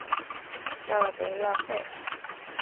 叫了等于浪费